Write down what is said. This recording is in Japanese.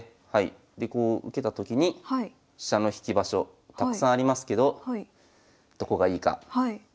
でこう受けたときに飛車の引き場所たくさんありますけどどこがいいか。